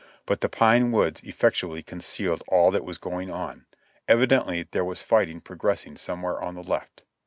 But the pine woods effectually concealed all that was going on. Evidently there was fighting progressing somewhere on the left.